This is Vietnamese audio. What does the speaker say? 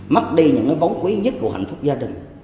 mất đi những cái bóng quý nhất của hạnh phúc gia đình